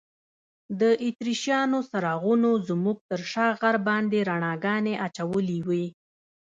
د اتریشیانو څراغونو زموږ تر شا غر باندې رڼاګانې اچولي وې.